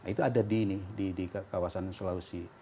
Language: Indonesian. itu ada di kawasan sulawesi